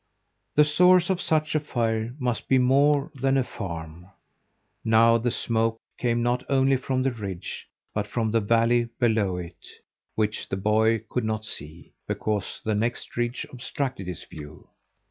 The source of such a fire must be more than a farm. Now the smoke came not only from the ridge, but from the valley below it, which the boy could not see, because the next ridge obstructed his view.